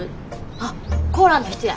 あっコーラの人や！」